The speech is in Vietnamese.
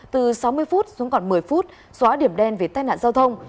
từ sáu mươi phút xuống còn một mươi phút xóa điểm đen về tai nạn giao thông